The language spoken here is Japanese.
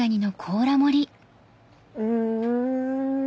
うん。